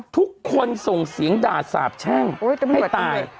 ทุกคนส่งสิงดาษสาบแช่งโอ้ยให้ตาย